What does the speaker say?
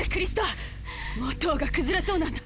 もう塔が崩れそうなんだ！